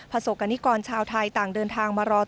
ประสกกโณิกรชาวไทยต่างเดินทางมารอต่อแถว